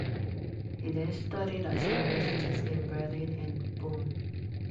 He then studied at universities in Berlin and Bonn.